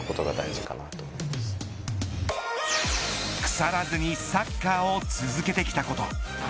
腐らずにサッカーを続けてきたこと。